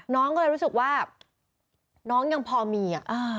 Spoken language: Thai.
น้องก็เลยรู้สึกว่าน้องยังพอมี